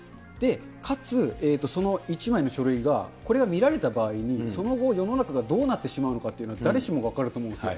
かつ、その１枚の書類が、これが見られた場合に、その後、世の中がどうなってしまうのかというのは誰しもが分かると思うんですよ。